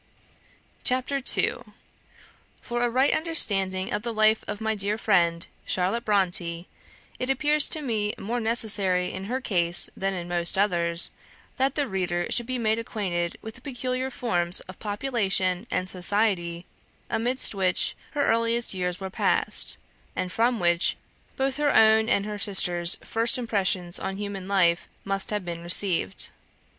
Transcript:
CHAPTER II For a right understanding of the life of my dear friend, Charlotte Bronte, it appears to me more necessary in her case than in most others, that the reader should be made acquainted with the peculiar forms of population and society amidst which her earliest years were passed, and from which both her own and her sisters' first impressions of human life must have been received.